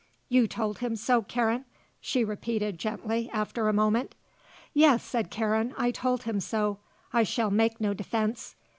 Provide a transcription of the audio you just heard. "You told him so, Karen?" she repeated gently, after a moment. "Yes," said Karen, "I told him so. I shall make no defence.